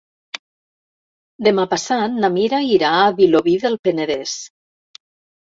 Demà passat na Mira irà a Vilobí del Penedès.